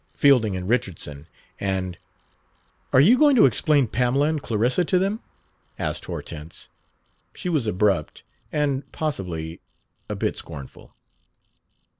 Fielding and Richardson and " "Are you going to explain Pamela and Clarissa to them?" asked Hortense. She was abrupt and possibly a bit scornful.